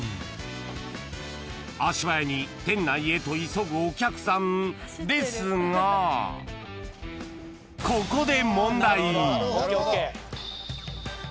［足早に店内へと急ぐお客さんですがここで］